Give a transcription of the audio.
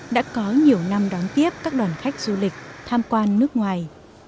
đã có nhiều năm đón tiếp các đoàn khách du lịch tham quan nước ngoài